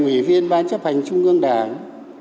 ủy viên ban chấp hành trung ương đảng